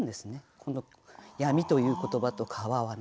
この闇という言葉と川はね。